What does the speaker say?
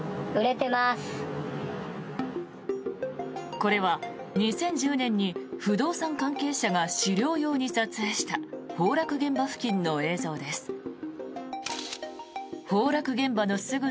これは２０１０年に不動産関係者が資料用に撮影した崩落現場付近の映像です。